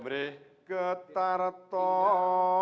beri ketar toh